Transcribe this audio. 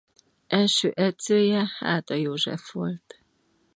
Első edzője Háda József volt.